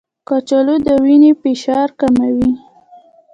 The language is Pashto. کچالو د وینې فشار کموي.